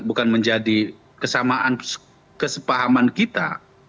bukan menjadi kesamaan kesepahaman kita